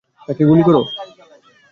তাকে গুলি করো।